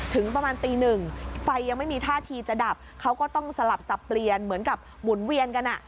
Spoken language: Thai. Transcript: ถึงประมาณตีหนึ่งไฟยังไม่มีท่าทีจะดับเขาก็ต้องสลับสับเปลี่ยนเหมือนกับหมุนเวียนกันอ่ะ